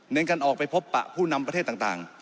การออกไปพบปะผู้นำประเทศต่าง